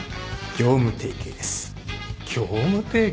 業務提携？